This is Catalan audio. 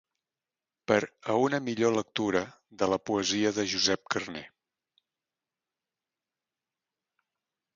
«Per a una millor lectura de la poesia de Josep Carner».